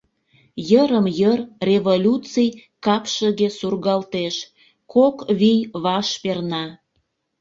Йырым-йыр Революций капшыге сургалтеш — кок вий ваш перна...